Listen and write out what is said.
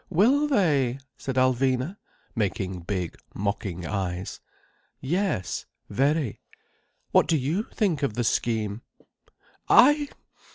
"Will they?" said Alvina, making big, mocking eyes. "Yes, very. What do you think of the scheme?" "I?